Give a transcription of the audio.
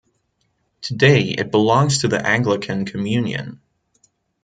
Today it belongs to the Anglican Communion.